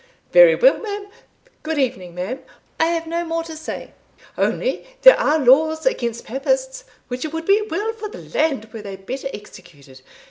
"Very well, ma'am good evening, ma'am I have no more to say only there are laws against papists, which it would be well for the land were they better executed.